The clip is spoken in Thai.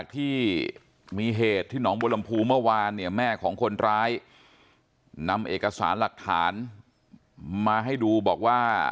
ที่มีเหตุที่หนองบัวลำพูเมื่อวานเนี่ยแม่ของคนร้ายนำเอกสารหลักฐานมาให้ดูบอกว่า